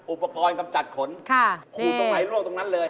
อุปกรณ์คำจัดขนคู่ตรงไอลูกตรงนั้นเลยนี่